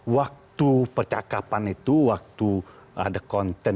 waktu percakapan itu waktu ada konten situ kapan